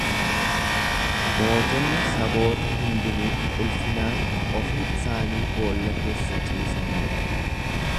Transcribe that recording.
Mootonni saboota hundinuu ulfinaan ofii isaanii boolla keessa ciisaniiru.